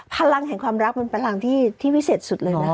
พลังแห่งความรักมันพลังที่วิเศษสุดเลยนะ